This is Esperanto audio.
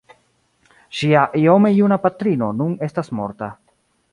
Ŝia iome juna patrino nun estas morta.